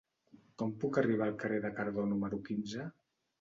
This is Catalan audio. Com puc arribar al carrer de Cardó número quinze?